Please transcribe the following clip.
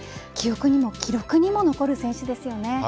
記憶にも記録にも残る選手です。